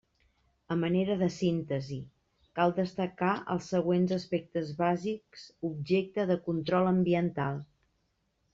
A manera de síntesi, cal destacar els següents aspectes bàsics objecte de control ambiental.